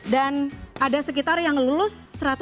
dan ada sekitar yang lulus satu ratus empat puluh delapan